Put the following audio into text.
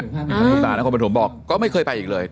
ท่านผู้นำนาคมประถมบอกก็ไม่เคยไปอีกเลยอ่า